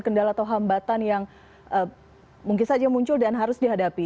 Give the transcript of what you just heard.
kendala atau hambatan yang mungkin saja muncul dan harus dihadapi